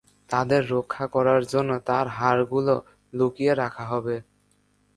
তাদের রক্ষা করার জন্য তার হাড়গুলো লুকিয়ে রাখা হবে।